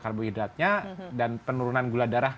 karbohidratnya dan penurunan gula darah